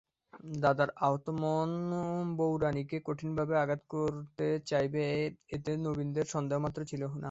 দাদার আহত মন বউরানীকে কঠিনভাবে আঘাত করতে চাইবে এতে নবীনের সন্দেহমাত্র ছিল না।